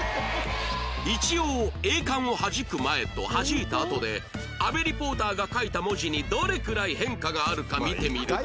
一応エーカンをはじく前とはじいたあとで阿部リポーターが書いた文字にどれくらい変化があるか見てみると